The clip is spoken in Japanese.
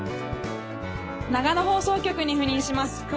長野放送局に赴任します